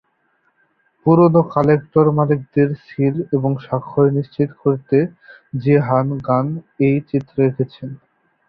পুরনো কালেক্টর-মালিকদের সীল এবং স্বাক্ষর নিশ্চিত করেছে যে হান গান এই চিত্র এঁকেছেন।